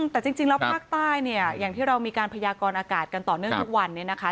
แต่จริงแล้วภาคใต้เนี่ยอย่างที่เรามีการพยากรอากาศกันต่อเนื่องทุกวันนี้นะคะ